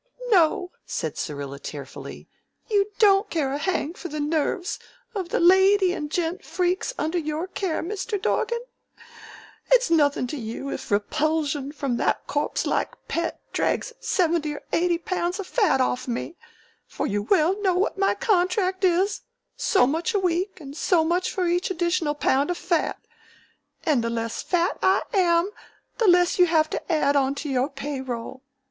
"No," said Syrilla tearfully, "you don't care a hang for the nerves of the lady and gent freaks under your care, Mr. Dorgan. It's nothin' to you if repulsion from that corpse like Pet drags seventy or eighty pounds of fat off of me, for you well know what my contract is so much a week and so much for each additional pound of fat, and the less fat I am the less you have to add onto your pay roll.